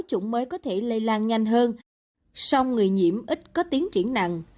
chủng mới có thể lây lan nhanh hơn song người nhiễm ít có tiến triển nặng